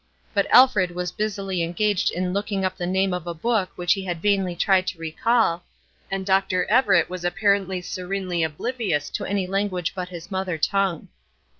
But Alfred was busily engaged in looking up the name of a book which he had vainly tried to recall, and Dr. Everett was apparently serenely oblivious to any language but his mother tongue.